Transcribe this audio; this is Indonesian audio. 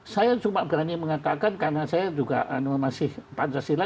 saya cuma berani mengatakan karena saya juga masih pancasila